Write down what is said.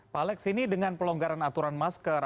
pak alex ini dengan pelonggaran aturan masker